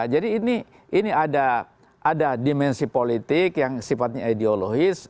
jadi ini ada dimensi politik yang sifatnya ideologis